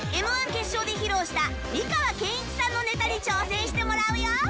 Ｍ−１ 決勝で披露した美川憲一さんのネタに挑戦してもらうよ